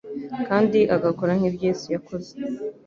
kandi agakora nk'ibyo Yesu yakoze